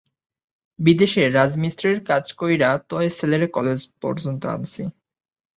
বিদেশে রাজমিস্ত্রির কাজ কইরা তয় ছেলেরে কলেজে পর্যন্ত আনছি।